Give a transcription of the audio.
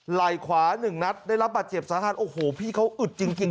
หนึ่งนัดได้รับบัตรเจ็บสถานโอ้โหพี่เขาอึดจริงจริง